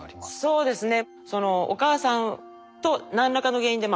そうですね。